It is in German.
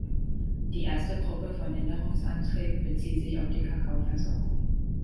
Die erste Gruppe von Änderungsanträgen bezieht sich auf die Kakaoversorgung.